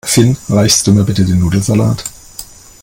Finn, reichst du mir bitte den Nudelsalat?